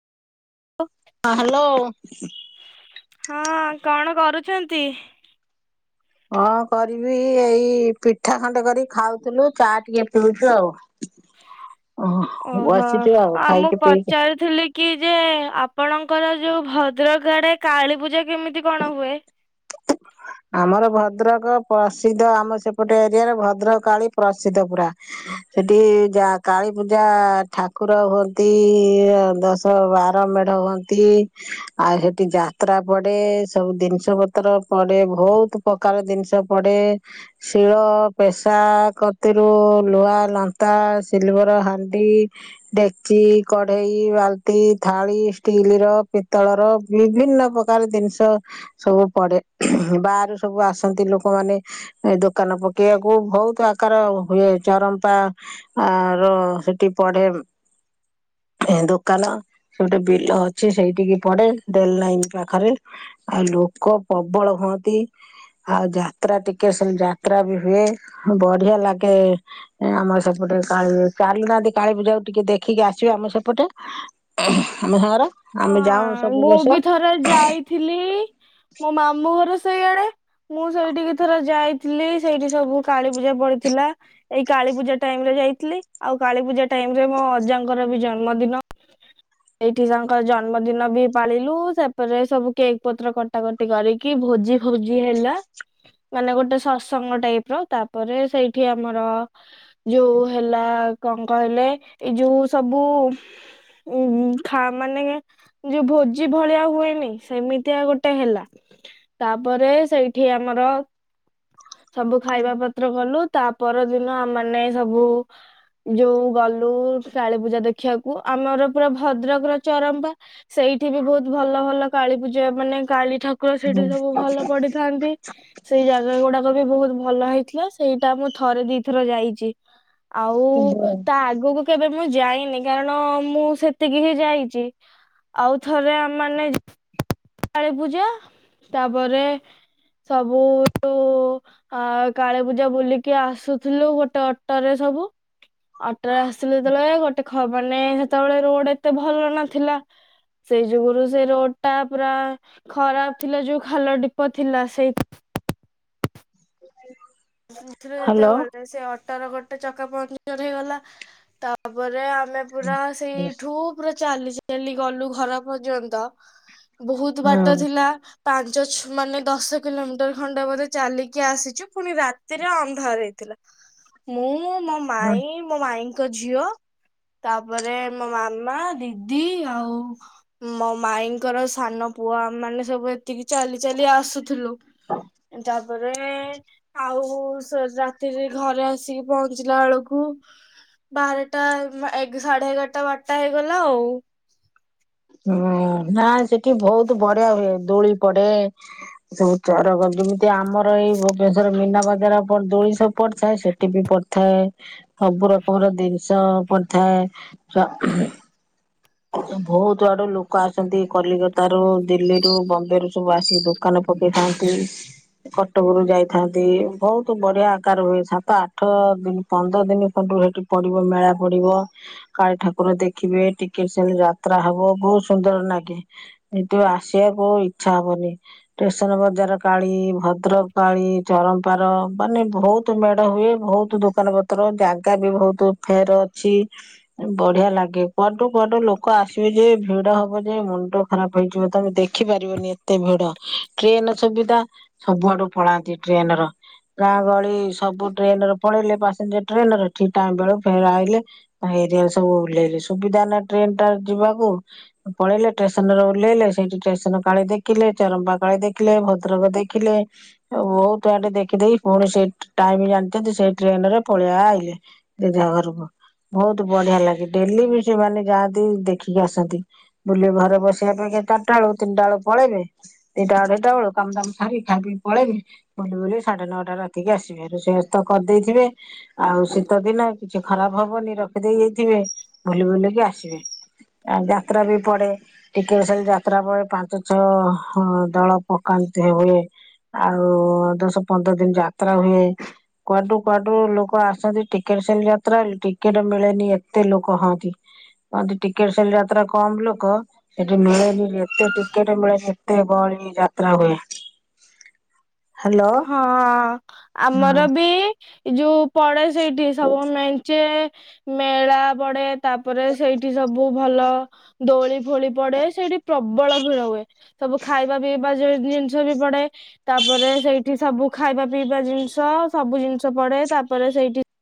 [inaudible] ହଁ ହାଲୋ। ହଁ କଣ କରୁଚନ୍ତି? କଣ କରିବି, ଏଇ ପିଠା ଖଣ୍ଡେ କରି ଖାଉଥିଲୁ ଚା ଟିକେ ପିଉଚୁ ଆଉ। [inaudible] ଓହୋ, ବସିଛୁ ଆଉ ମୁଁ ଖାଇକି ପିଇକି। ପଚାରୁଥିଲି କି ଯେ ଆପଣଙ୍କର ଯୋଉ ଭଦ୍ରକ ଆଡେ କାଳୀ ପୂଜା କେମିତି କଣ ହୁଏ? ଆମର ଭଦ୍ରକ ପ୍ରସିଦ୍ଧ ଆମ ସେପଟେ ଏରିଆରେ ଭଦ୍ରକ କାଳୀ ପ୍ରସିଦ୍ଧ ପୁରା। ସେଠି ଯା କାଳୀପୂଜା ଠାକୁର ହୁଅନ୍ତି ଦ ସ ବାର ମେଢ ହୁଅନ୍ତି, ଆଉ ସେଠି ଯାତ୍ରା ପଡେ ସବୁ ଦିନିଷ ପ ତ୍ର ପଡେ ଭଉତ୍ ପକାର ଦିନିଷ ପଡେ। ଶିଳ, ପେସା କତିରୁ ଲୁହା ଲନ୍ତା, ସିଲଭର ହାଣ୍ଡି ଡେକ୍ଚି, କଢେଇ, ବାଲ୍ତି, ଥାଳି, ଷ୍ଟିଲର, ପିତଳର ବିଭିନ୍ନ ପକାର ଦିନିଷ ସବୁ ପଡେ, ବାହାରୁ ସବୁ ଆସନ୍ତି ଲୋକମାନେ ଏ ଦୋକାନ ପକେଇଆକୁ, ଭଉତ୍ ଆକାର ହୁଏ ଚରମ୍ପା ଆର ସେଠି ପଡେ ଦୋକାନ। ସେ ଗୋଟେ ବିଲ ଅଛି ସେଇଟିକି ପଡେ [unintelligible] ନାଇନ୍ ପାଖରେ। ଆଉ ଲୋକ ପବଳ ହୁଅ ନ୍ତି ଆଉ ଯାତ୍ରା ଟିକେଟ୍ ସେଲ୍ ଯାତ୍ରା ବି ହୁଏ ବଢିଆ ଲାଗେ। ଆମର ସେପଟେ କାଳୀ ଚାଲୁ ନାହାନ୍ତି କାଳୀ ପୂଜାକୁ ଟିକେ ଦେଖିକି ଆସିବେ ଆମ ସେପଟେ। ଆମ ସାଙ୍ଗରେ ଆମେ ଯାଉଁ ସବୁ ବର୍ଷ। ଥିଲି ମୋ ମାମୁଁଘର ସେଇଆଡେ। ମୁଁ ସେଇଠିକି ଥରେ ଯାଇଥିଲି, ସେଇଠି ସବୁ କାଳୀପୂଜା ପଡିଥିଲା। ଏଇ କାଳୀପୂଜା ଟାଇମ୍ ରେ ଯାଇଥିଲି, ଆଉ କାଳୀପୂଜା ଟାଇମ୍ ରେ ବି ମୋ ଅଜାଙ୍କର ବି ଜନ୍ମଦିନ। ଏଇଠି ତା ଙ୍କ ଜନ୍ମଦିନ ବି ପାଳିଲୁ, ସେପରେ ସବୁ କେକ୍ ପତ୍ର କଟାକଟି କରିକି ଭୋଜି ଭୋଜି ହେଲା ମାନେ ଗୋଟେ ସତ୍ସଙ୍ଗ ଟାଇପ୍ର, ତାପରେ ସେଇଠି ଆମର ଯୋଉ ହେଲା କଣ କହିଲେ, ଏଇ ଯୋଉ ସବୁ ଉ-ଉ-ଖା ମାନେ ଯୋଉ ଭୋଜି ଭଳିଆ ହୁଏନି, ସେମିତିଆ ଗୋଟେ ହେଲା। ତାପରେ ସେଇଠି ଆମର ସବୁ ଖାଇବା ପ ତ୍ର କଲୁ ତା ପରଦିନ ଆମମାନେ ସବୁ ଯୋଉ ଗଲୁ କାଳୀ ପୂଜା ଦେଖିବାକୁ ଆମର ପୁରା ଭଦ୍ରକ ର ଚରମ୍ପା ସେଇଠି ବି ବହୁତ ଭଲ ଭଲ କାଳୀ ପୂଜା ମାନେ କାଳୀ ଠା କୁର ସେଇଠି ସବୁ ଭଲ ପଡ଼ିଥାନ୍ତି। ସେଇ ଜାଗା ଗୁଡାକ ବି ବହୁତ ଭଲ ହେଇଥିଲା ସେଇଟା ମୁଁ ଥରେ ଦି ଥର ଯାଇଛି। ଆଉ ତା ଆଗକୁ କେବେ ମୁଁ ଯାଇନି କାରଣ ମୁଁ ସେତିକି ହିଁ ଯାଇ ଛି ଆଉ ଥରେ ଆମେ ମାନେ କାଳୀ ପୂଜା ତାପରେ ସବୁ ଆ କାଳୀ ପୂଜା ବୁଲିକି ଆସୁଥିଲୁ, ଗୋଟେ ଅଟରେ ସବୁ। ଅଟରେ ଆସିଲୁ ଯେତେବେଳେ, ଗୋଟେ ଖବନେ ସେତେବେଳେ ରୋଡ ଏତେ ଭଲ ନଥିଲା। ସେଇ ଯୁଗୁରୁ ସେ ରୋଡ ଟା ପୁରା ଖରାପ ଥିଲା। ଯୋଉ ଖାଲ ଡିପ ଥିଲା, ସେଇ [inaudible] ସେଇଥିରେ ହ୍ୟାଲୋ ଏତେ [inaudible] ସେ ଅଟର ଗୋଟେ ଚକା ପଙ୍କଚର ହେଇଗଲା। ତାପରେ ଆମେ ପୁରା ହୁଁ ସେଇଠୁ ପୁରା ଚାଲି ଚାଲି ଗଲୁ, ଘର ପର୍ଯ୍ୟନ୍ତ। ବହୁତ ବାଟ ଥିଲା। ପାଞ୍ଚ, ଛ- ମାନେ ଦଶ କିଲୋମିଟର ଖଣ୍ଡେ ବୋଧେ ଚାଲିକି ଆସିଛୁ। ପୁଣି ରାତି ରାତି ରେ ଅନ୍ଧାର ହେଇଥିଲା। ମୁଁ, ମୋ ହୁଁ ମାଇଁ, ମୋ ମାଇଁଙ୍କ ଝିଅ ତାପରେ, ମୋ ମାମା, ଦିଦି, ଆଉ ମୋ ମାଇଁ ଙ୍କର ସାନ ପୁଅ, ଆମମାନେ ସବୁ ଏତିକି ଚାଲି ଚାଲି ଆସୁଥିଲୁ। ତା ତାପରେ, ଆଉ ସେ ରାତିରେ ଘରେ ଆସିକି ପହଞ୍ଚିଲା ବେଳକୁ ବାରଟା, ଏ-ସାଢେ ଏଗାରଟା, ବାରଟା ହେଇଗଲା ଆଉ। ହୁଁ। ନା, ସେଠି ବହୁତ ବଢିଆ ହୁଏ। ଦୋଳି ପଡେ। ସବୁ ଚର କରଦବୁ। ଏ ଆମର ଏଇ ଭୁବନେଶ୍ୱର ମୀନା ବଜାର ପ ଦୋଳି ସବୁ ପଡିଥାଏ, ସେଠି ବି ପଡିଥାଏ। ସବୁ ରକମ ର ଜିନିଷ ପଡିଥାଏ। ବହୁତ ଆଡୁ ଲୋକ ଆସନ୍ତି। କଲିକତା ରୁ, ଦିଲ୍ଲୀରୁୁ, ବମ୍ବେ ରୁ ସବୁ ଆସି ଦୋକା ଦୋକାନ ପକେଇଥାନ୍ତି। କଟକରୁ ଯାଇଥାନ୍ତି। ବହୁତ ବଢିଆ ଆକାର ହୁଏ। ସାତ, ଆଠ ଦିନ ପନ୍ଦର ଦିନ ଖଣ୍ଡୁ ସେଠି ପଡିବ ମେଳା ପଡିବ। କାଳୀ ଠାକୁର ଦେଖିବେ, ଟିକେ କିନ ସେନ ଯାତ୍ରା ହବ, ବହୁତ ସୁନ୍ଦର ନାଗେ। କିନ୍ତୁ ଆସିବାକୁ ଇଚ୍ଛା ହବନି। ଷ୍ଟେସନ ବଜାର କାଳୀ, ଭଦ୍ରକ କାଳୀ, ଚରମପାର ମାନେ ବହୁତ ବହୁତ ମେଢ ହୁଏ। ବହୁତ ଦୋକାନ ପତ୍ର, ଜାଗା ବି ବହୁତ ଫେର ଅଛି। ବଢିଆ ଲାଗେ। କ ସାଡୁ ଲୋକ ଆସିବେ ଯେ, ଭିଡ ହବ ଯେ, ମୁଣ୍ଡ ଖରାପ ହେଇଯିବ। ତମେ ଦେଖିପାରିବନି, ଏ ଏତେ ଭିଡ। ଟ୍ରେନ ସୁବିଧା, ସବୁଆଡୁ ପଳାନ୍ତି ଟ୍ରେନ ର। ଗାଁ ଗହଳି ସବୁ ଟ୍ରେନ୍‌ରେ ପଳେଇଲେ। ପାସେଞ୍ଜର ଟ୍ରେନ୍‌ରେ, ଠିକ୍ ଟାଇମ୍ ବେଳୁ ଫେର ଆଇଲେ। ଏରିଆ ସବୁ ଓହ୍ଲେଇଲେ। ସୁବିଧା ନାହି, ଟ୍ରେନ ଟା ଯିବାକୁ। ପଳେଇଲେ ଷ୍ଟେସନ ରେ ଓହ୍ଲେଇଲେ। ସେଇଠି ଷ୍ଟେସନ କାଳି ଦେଖିଲେ, ଚରମ୍ପା କାଳୀ ଦେଖିଲେ, ଭଦ୍ରକ ଦେଖିଲେ। ବହୁତ ଆଡ଼େ ଦେଖି ଦେଖି, ପୁଣି ସେ ଟାଇମ ଜାଣିଛନ୍ତି, ସେଇ ଟ୍ରେନ୍‌ରେ ପଳେଇ ଆ-ଇଲେ। ଜେଝା ଘରକୁ, ବହୁତ ବଢିଆ ଲାଗେ। ଡେଲି ବି ସେମାନେ ଯାଆନ୍ତି, ଦେଖିକି ଆସନ୍ତି। ବୁଲି ଘରେ ବସିବା ପେକ୍ଷା ଚାରିଟା ବେଳକୁ ତିନିଟା ବେଳୁ ପଳେଇବେ ଦିଟା, ଅଢ଼େଇ ଟା ବେଳୁ କାମ ଦାମ ସାରି, ଖାଇ-ପି ପଳେଇବି ବୁଲି ବୁଲି, ସାଢେ ନଅଟା ରାତିକି ଆସିବି। ରୋଷେଇ ବାସ ତ କରିଦେଇଥିବେ। ଆଉ ଶୀତଦିନ, କିଛି ଖରାପ ହବନି। ରଖିଦେଇ ଯାଇଥିବେ, ବୁଲି ବୁଲିକି ଆସିବେ। ଆଉ ଯାତ୍ରା ବି ପଡେ। ଟିକେଟ୍ ସେଲ୍‌ ଯାତ୍ରା ପ-ପାଞ୍ଚ, ଛଅ ଦଳ ପକାନ୍ତି। ହୁଏ। ଆଉ ଦଶ ପନ୍ଦର ଦିନ ଯାତ୍ରା ହୁଏ। କୁଆଡ଼ୁ କୁଆଡ଼ୁ ଲୋକ ଆସନ୍ତି, ଟିକେଟ ସେଲ ଯାତ୍ରା ବୋଲି ଟିକେଟ ମିଳେନି, ଏତେ ଲୋକ ହ ହନ୍ତି। ଟିକେଟ୍ ସେଲ୍‌ ଯାତ୍ରା କମ୍ ଲୋକ ସେଠି ମିଳେନି, ଏତେ ଟିକେଟ ମିଳେ [unintelligible] ଗହଳି ଯାତ୍ରା ହୁଏ। ହ୍ୟାଲୋ। ହଁ, ଆମର ବି ଏ ଯୋଉ ପଡ଼େ ସେଇଠି ସବୁ ମେଞ୍ଚେ ମେଳା ପଡ଼େ। ତାପରେ, ସେଇଠି ସବୁ ଭଲ ଦୋଳି ଫୋଳି ପଡ଼େ, ସେଇଠି ପ୍ରବଳ ଭିଡ଼ ହୁଏ। ସବୁ ଖାଇବା ପିଇବା ଜିନିଷ ବି ପଡ଼େ। ତା- ତାପରେ ସେଇଠି ସବୁ ଖାଇବା ପିଇବା ଜିନିଷ, ସବୁ ଜିନିଷ ପଡ଼େ, ତାପରେ ସେଇଠି